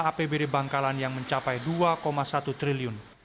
dengan satu lima apbd bangkalan yang mencapai dua satu triliun